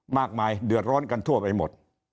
มากมายเดือดร้อนกันทั่วไปหมด